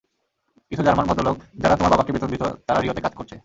কিছু জার্মান ভদ্রলোক যারা তোমার বাবাকে বেতন দিত তারা রিওতে কাজ করছে।